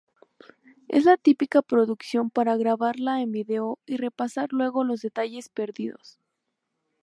Es la típica producción para grabarla en vídeo y repasar luego los detalles perdidos.